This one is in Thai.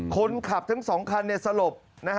คนขับทั้งสองคันในสลบ